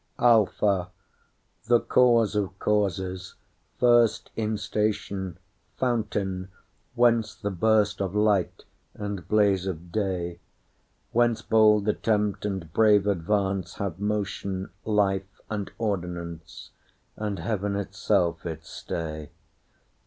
Alpha, the cause of causes, firstIn station, fountain, whence the burstOf light and blaze of day; Whence bold attempt, and brave advance, Have motion, life, and ordinance, And heaven itself its stay.